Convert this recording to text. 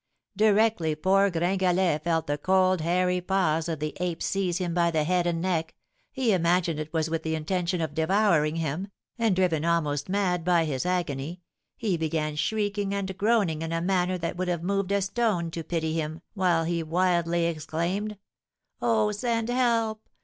Directly poor Gringalet felt the cold hairy paws of the ape seize him by the head and neck, he imagined it was with the intention of devouring him, and driven almost mad by his agony, he began shrieking and groaning in a manner that would have moved a stone to pity him, while he wildly exclaimed, 'Oh, send help!